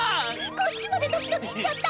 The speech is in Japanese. こっちまでドキドキしちゃった。